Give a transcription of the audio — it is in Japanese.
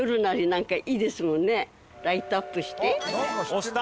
押した。